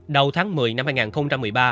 đầu tháng một mươi năm hai nghìn một mươi ba